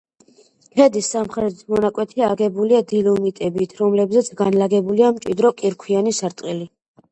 ქედის სამხრეთი მონაკვეთი აგებულია დოლომიტებით, რომლებზეც განლაგებულია მჭიდრო კირქვიანი სარტყელი.